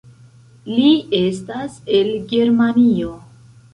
Li estas el Germanio.